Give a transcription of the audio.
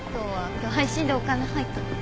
今日配信でお金入ったから。